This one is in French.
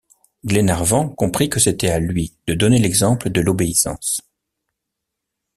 Glenarvan comprit que c’était à lui de donner l’exemple de l’obéissance.